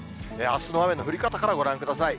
あすの雨の降り方からご覧ください。